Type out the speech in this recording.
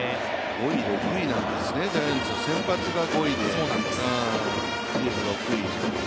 ５位、６位なんですね、ジャイアンツの先発が５位で、リリーフ６位。